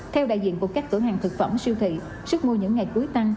theo đại diện của các cửa hàng thực phẩm siêu thị sức mua những ngày cuối tăng